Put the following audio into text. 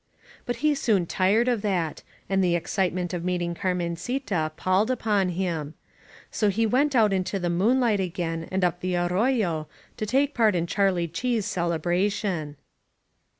But he soon tired of that, and the excitement of meeting Carmencita palled upon him. So he went out into the moonlight again and up the arroyo, to take part in CharHe Chee's celebration.